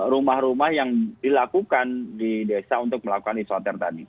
rumah rumah yang dilakukan di desa untuk melakukan isoter tadi